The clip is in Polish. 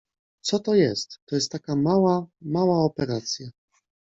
— Co to jest? — To jest taka mała, mała operacja.